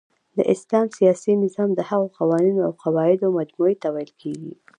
د اسلام سیاسی نظام د هغو قوانینو اوقواعدو مجموعی ته ویل کیږی